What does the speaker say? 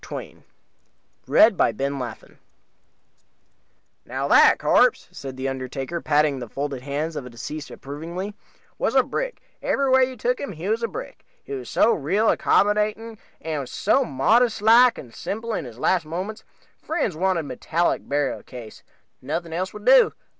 THE UNDERTAKER'S CHAT "Now that corpse," said the undertaker, patting the folded hands of deceased approvingly, was a brick every way you took him he was a brick. He was so real accommodating, and so modest like and simple in his last moments. Friends wanted metallic burial case nothing else would do.